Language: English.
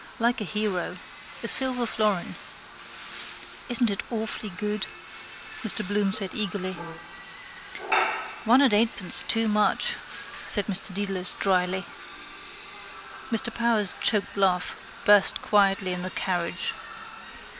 Like a hero. A silver florin. —Isn't it awfully good? Mr Bloom said eagerly. —One and eightpence too much, Mr Dedalus said drily. Mr Power's choked laugh burst quietly in the carriage.